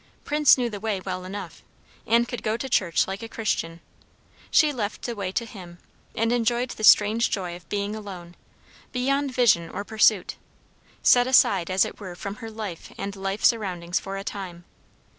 Prince knew the way well enough, and could go to church like a Christian; she left the way to him, and enjoyed the strange joy of being alone, beyond vision or pursuit, set aside as it were from her life and life surroundings for a time.